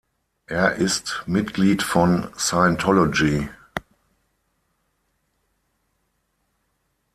Er ist Mitglied von Scientology.